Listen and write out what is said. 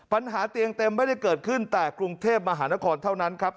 ปัญหาเตียงเต็มไม่ได้เกิดขึ้นแต่กรุงเทพมหานครเท่านั้นครับ